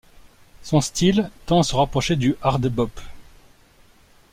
Son style tend à se rapprocher du hard bop.